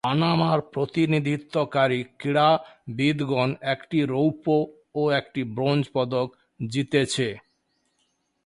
পানামার প্রতিনিধিত্বকারী ক্রীড়াবিদগণ একটি রৌপ্য ও একটি ব্রোঞ্জ পদক জিতেছে।